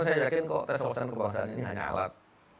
karena saya yakin kalau tes wawasan kebangsaan ini hanya alat